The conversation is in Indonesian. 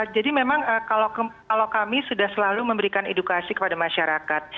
jadi memang kalau kami sudah selalu memberikan edukasi kepada masyarakat